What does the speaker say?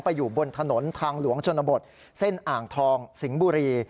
อยู่บนถนนทางหลวงชนบทเส้นอ่างทองสิงห์บุรี